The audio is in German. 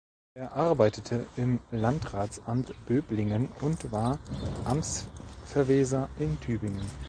Er arbeitete im Landratsamt Böblingen und war Amtsverweser in Tübingen.